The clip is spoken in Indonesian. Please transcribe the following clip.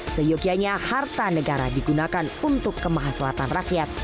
seyogianya harta negara digunakan untuk kemahaselatan rakyat